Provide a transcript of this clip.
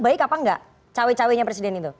baik apa enggak cewek ceweknya presiden itu